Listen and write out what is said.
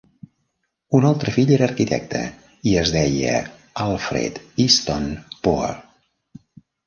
Un altre fill era arquitecte i es deia Alfred Easton Poor.